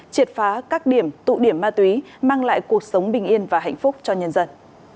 triệt phá các điểm tụ điểm ma túy mang lại cuộc sống bình yên và hạnh phúc cho nhân dân